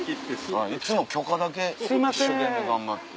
いつも許可だけ一生懸命頑張って。